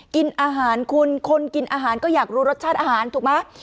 กินอาหารคุณคนกินอาหารก็อยากรู้รสชาติอาหารถูกไหม